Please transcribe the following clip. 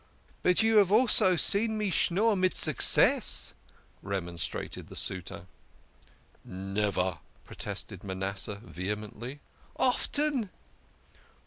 "" But you have also seen me schnorr mid success," re monstrated the suitor. " Never !" protested Manasseh vehemently. " Often